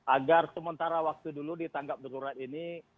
agar sementara waktu dulu ditangkap darurat ini